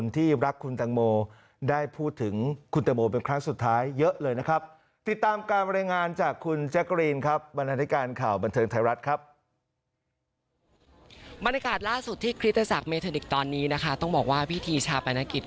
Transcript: แต่ลูกเสียชีวิตเร็วไป